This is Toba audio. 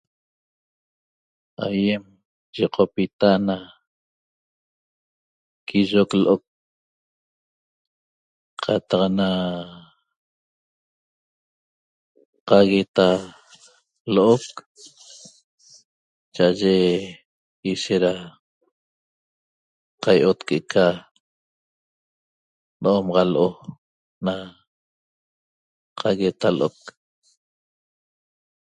Aýem yiqopita quiyoc l'oc qataq na qagueta l'oc cha'aye ishet da qai'ot que'eca n'omaxa l'o na qagueta l'oc